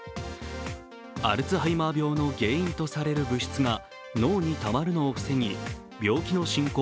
アルツハイマー病の原因とされる物質が脳にたまるのを防ぎ病気の進行